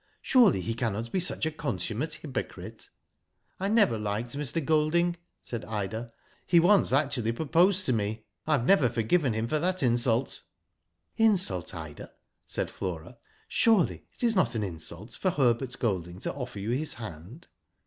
Surely he cannot be such a consummate hyprocrite." "I never liked Mr. .Golding," said Ida. *' He once actually proposed to me. I have never forgiven him for that insult." *' Insult, Ida," said Flora. " Surely it is not' an insult for Herbert Golding to offer you his hand?''